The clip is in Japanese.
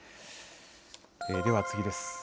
では、次です。